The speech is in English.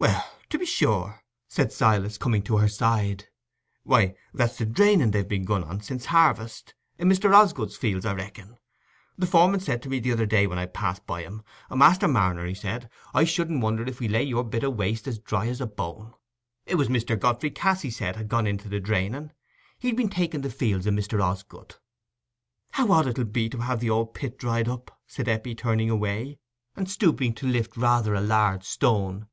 "Well, to be sure," said Silas, coming to her side. "Why, that's the draining they've begun on, since harvest, i' Mr. Osgood's fields, I reckon. The foreman said to me the other day, when I passed by 'em, "Master Marner," he said, "I shouldn't wonder if we lay your bit o' waste as dry as a bone." It was Mr. Godfrey Cass, he said, had gone into the draining: he'd been taking these fields o' Mr. Osgood." "How odd it'll seem to have the old pit dried up!" said Eppie, turning away, and stooping to lift rather a large stone.